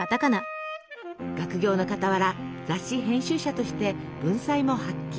学業の傍ら雑誌編集者として文才も発揮。